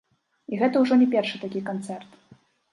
І гэта ўжо не першы такі канцэрт!